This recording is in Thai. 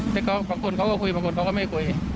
แต่บางคนเขาก็คุยบางคนเขาก็ไม่คุย